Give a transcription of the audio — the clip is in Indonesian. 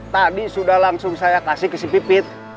tadi sudah langsung saya kasih ke si pipit